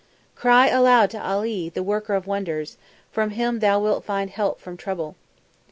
"Cry aloud to Ali the worker of wonders, From Him thou wilt find help from trouble."